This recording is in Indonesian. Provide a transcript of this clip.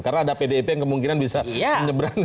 karena ada pdip yang kemungkinan bisa menyebrang